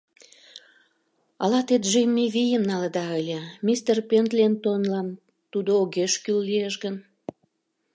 Ала те Джимми Вийым налыда ыле, мистер Пендлетонлан тудо огеш кӱл лиеш гын?